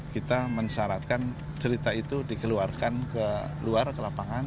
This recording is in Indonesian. kita mensyaratkan cerita itu dikeluarkan ke luar ke lapangan